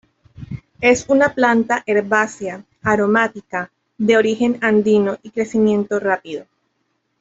Es una planta herbácea aromática de origen andino y crecimiento rápido.